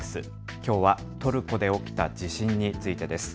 きょうはトルコで起きた地震についてです。